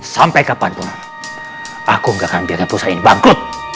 sampai kapanpun aku nggak akan biarkan perusahaan ini bangkut